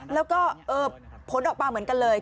แล้วก็ผลออกมาเหมือนกันเลย